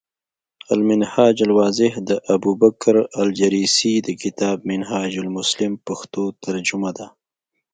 المنهاج الواضح، د الابوبکرالجريسي د کتاب “منهاج المسلم ” پښتو ترجمه ده ۔